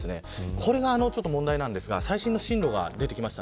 これが問題なんですが最新の進路が出てきました。